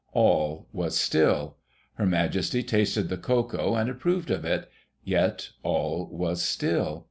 All was still. Her Majesty tasted the cocoa, and approved of it — ^yet all was still.